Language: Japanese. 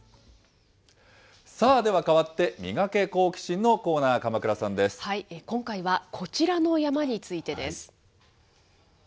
さあ、では変わって、ミガケ、好奇心！のコーナー、鎌倉さんで今回は、こちらの山についてです。